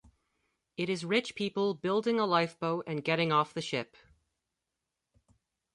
It is rich people building a lifeboat and getting off the ship.